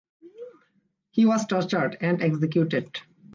He was tortured and executed.